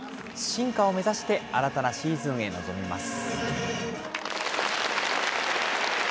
進化を目指して新たなシーズンへ臨みます。